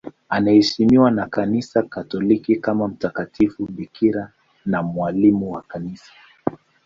Anaheshimiwa na Kanisa Katoliki kama mtakatifu bikira na mwalimu wa Kanisa.